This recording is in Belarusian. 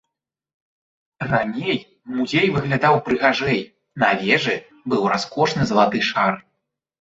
Раней музей выглядаў прыгажэй, на вежы быў раскошны залаты шар.